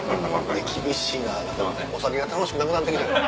厳しいなお酒が楽しくなくなってきた。